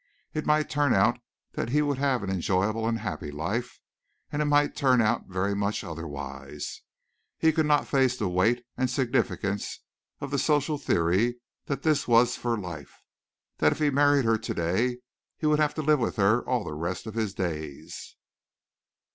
It might turn out that he would have an enjoyable and happy life and it might turn out very much otherwise. He could not face the weight and significance of the social theory that this was for life that if he married her today he would have to live with her all the rest of his days.